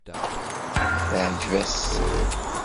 Teɛjeb-as.